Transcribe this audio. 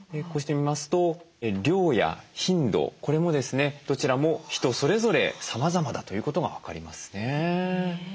こうして見ますと量や頻度これもですねどちらも人それぞれさまざまだということが分かりますね。